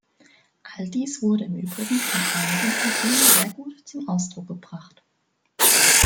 All dies wurde im Übrigen von einigen von Ihnen sehr gut zum Ausdruck gebracht.